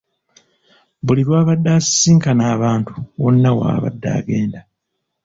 Buli lw'abadde asisinkana abantu wonna w'abadde agenda